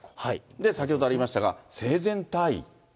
で、先ほどありましたが、生前退位。